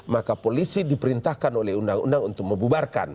maka polisi diperintahkan oleh undang undang untuk membubarkan